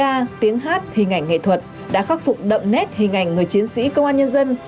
ca tiếng hát hình ảnh nghệ thuật đã khắc phục đậm nét hình ảnh người chiến sĩ công an nhân dân